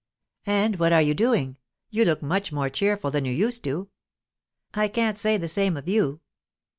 "And what are you doing? You look much more cheerful than you used to." "I can't say the same of you."